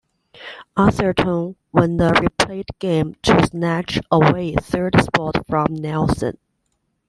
Atherton won the replayed game to snatch away third spot from Nelson.